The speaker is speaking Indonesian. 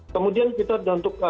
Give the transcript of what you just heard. kemudian kita untuk